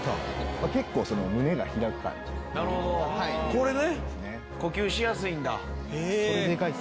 これね。